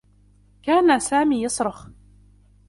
كان سامي يصرخ.